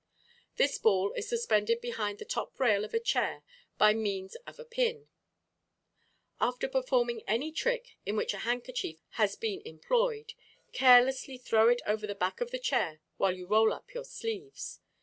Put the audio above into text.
This ball is suspended behind the top rail of a chair by means of a pin. After performing any trick in which a handkerchief has been employed, carelessly throw it over the back of the chair while you roll up your sleeves.